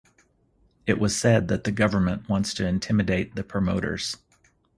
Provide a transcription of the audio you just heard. It was said that the government wants to intimidate the promoters.